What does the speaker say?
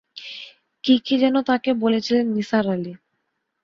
কি কি যেন তাকে বলেছিলেন নিসার আলি।